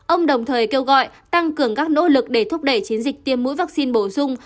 ông đồng thời kêu gọi tăng cường các nỗ lực để thúc đẩy chiến dịch tiêm mũi vaccine bổ sung